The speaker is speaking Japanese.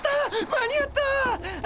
間に合った！